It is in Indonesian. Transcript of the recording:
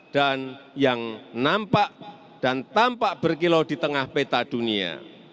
dan yang nampak dan tampak berkilau di tengah peta dunia